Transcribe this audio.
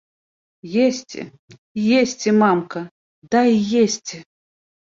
Есці, есці, мамка, дай есці!